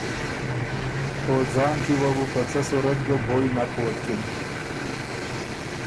او ځان کی وه بو په څۀ صورت ګۀ بویٛ نک ووتکِن۔